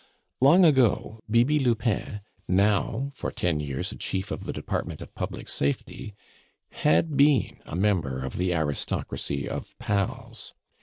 Long ago Bibi Lupin, now for ten years a chief of the department of Public Safety, had been a member of the aristocracy of "Pals."